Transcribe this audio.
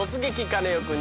カネオくん」。